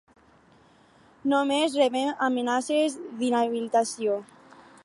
Només rebem amenaces d’inhabilitació